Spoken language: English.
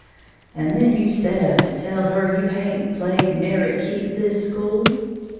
"And then you set up and tell her you haint played nary keep this school?"